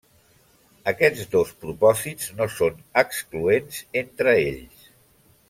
Aquests dos propòsits no són excloents entre ells.